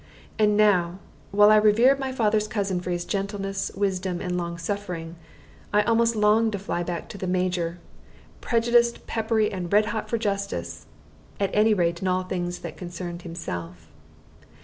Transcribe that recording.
And now, while I revered my father's cousin for his gentleness, wisdom, and long suffering, I almost longed to fly back to the Major, prejudiced, peppery, and red hot for justice, at any rate in all things that concerned himself.